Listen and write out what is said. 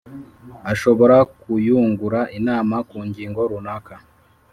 Ashobora kuyungura inama ku ngingo runaka